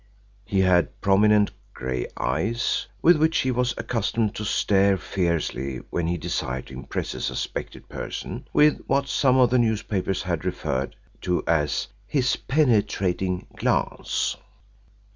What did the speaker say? He had prominent grey eyes with which he was accustomed to stare fiercely when he desired to impress a suspected person with what some of the newspapers had referred to as "his penetrating glance."